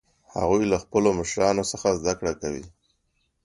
هغوی له خپلو مشرانو څخه زده کړه کوي